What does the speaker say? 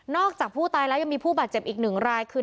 จากผู้ตายแล้วยังมีผู้บาดเจ็บอีกหนึ่งรายคือ